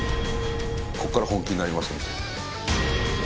ここから本気になります。